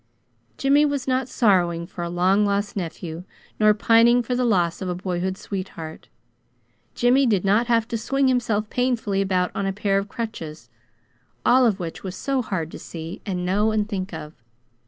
Jimmy was not sorrowing for a long lost nephew, nor pining for the loss of a boyhood sweetheart. Jimmy did not have to swing himself painfully about on a pair of crutches all of which was so hard to see, and know, and think of.